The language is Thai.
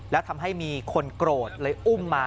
แล้วทำให้มีคนโกรธเลยอุ้มมา